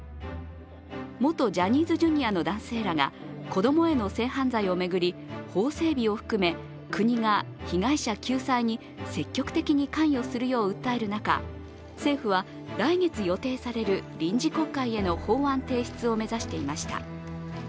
元ジャニーズＪｒ．の男性らが子供への性犯罪を巡り法整備を含め、国が被害者救済に積極的に関与するよう訴える中、政府は、来月予定される臨時国会への法案提出を目指していました。